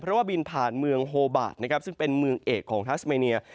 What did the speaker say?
เพราะว่าบินผ่านเมืองโฮบาสนะครับซึ่งเป็นเมืองเอกของทัสเมเนีย